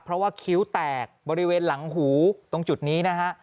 เพราะว่าคิ้วแตกบริเวณหลังหูตรงจุดนี้นะฮะ